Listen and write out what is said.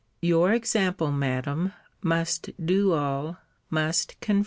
Your example, Madam, must do all, must confirm all.